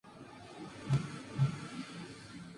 Davis "et al.